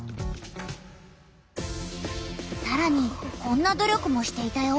さらにこんな努力もしていたよ。